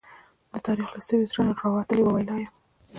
د تاريخ له سوي زړه نه، راوتلې واوي لا يم